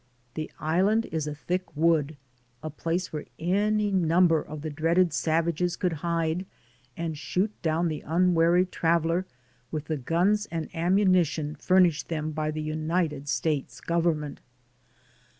The island is a thick wood, a place where any number of the dreaded savages could hide, and shoot down the unwary traveler with the guns and ammunition furnished them by the United States Government.